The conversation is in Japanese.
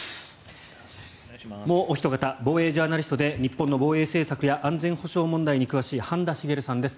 もうおひと方防衛ジャーナリストで日本の防衛政策や安全保障問題に詳しい半田滋さんです。